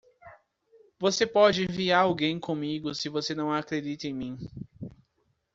Você pode enviar alguém comigo se você não acredita em mim!